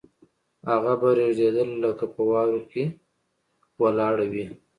هغه به رېږدېدله لکه په واورو کې ولاړه وي